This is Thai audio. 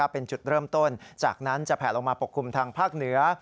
เป็นจุดเริ่มต้นจากนั้นจะแผลลงมาปกคลุมทางภาคเหนือ